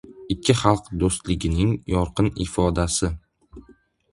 Ikki xalq do‘stligining yorqin ifodasi